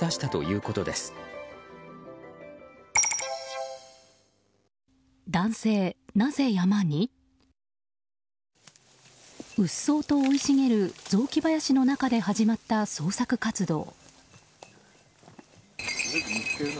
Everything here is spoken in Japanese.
うっそうと生い茂る雑木林の中で始まった捜索活動。